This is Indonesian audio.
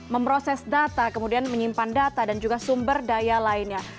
memproses data kemudian menyimpan data dan juga sumber daya lainnya